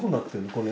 これ。